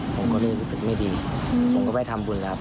ผมก็เลยรู้สึกไม่ดีผมก็ไปทำบุญแล้วครับ